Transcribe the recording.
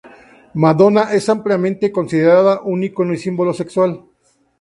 Madonna es ampliamente considerada un ícono y símbolo sexual.